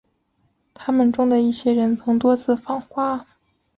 他们中的一些人曾多次访华。